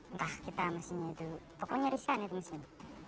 entah kita mesinnya itu pokoknya risan itu mesin